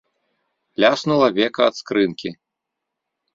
Ляснула века ад скрынкі.